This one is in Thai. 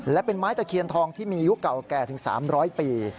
และเป็นไม้ตะเคียนทองที่มีอายุเก่าแก่ถึง๓๐๐ปี